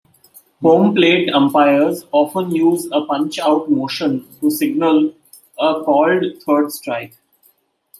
Home plate umpires often use a "punch-out" motion to signal a called third strike.